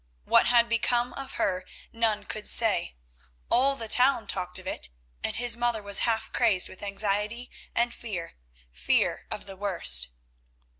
What had become of her none could say. All the town talked of it, and his mother was half crazed with anxiety and fear, fear of the worst.